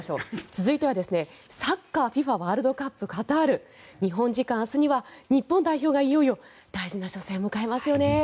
続いてはサッカーワールドカップカタール日本時間明日には日本代表がいよいよ大事な初戦を迎えますよね。